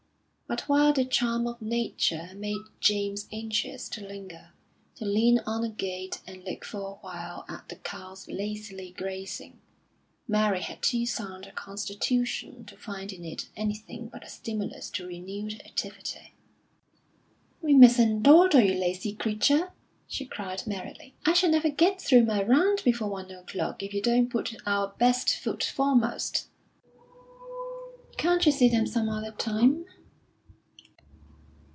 But while the charm of Nature made James anxious to linger, to lean on a gate and look for a while at the cows lazily grazing, Mary had too sound a constitution to find in it anything but a stimulus to renewed activity. "We mustn't dawdle, you lazy creature!" she cried merrily. "I shall never get through my round before one o'clock if we don't put our best foot foremost." "Can't you see them some other time?"